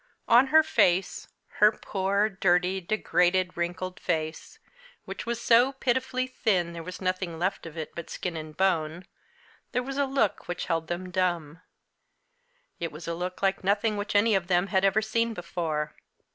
On her face her poor, dirty, degraded, wrinkled face which was so pitifully thin there was nothing left of it but skin and bone, there was a look which held them dumb. It was a look like nothing which any of them had ever seen before.